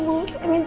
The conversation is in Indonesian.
mau saya temenin dia